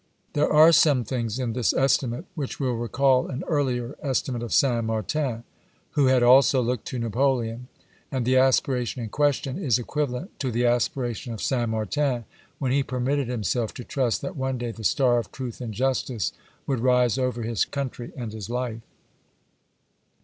There are some things in this estimate which will recall an earlier estimate of Saint Martin, who had also looked to Napoleon, and the aspira tion in question is equivalent to the aspiration of Saint Martin, when he permitted himself to trust that one day the star of truth and justice would rise over his country and his life.